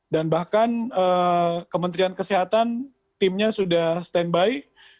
dan bahkan kementerian kesehatan timnya sudah standby